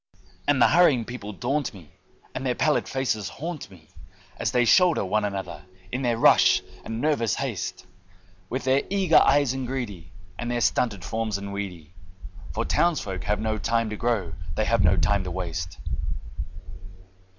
And the hurrying people daunt me, and their pallid faces haunt me As they shoulder one another in their rush and nervous haste, With their eager eyes and greedy, and their stunted forms and weedy, For townsfolk have no time to grow, they have no time to waste.